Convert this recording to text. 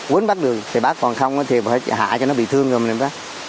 quấn bắt được thì bắt còn không thì phải hạ cho nó bị thương rồi mình lại bắt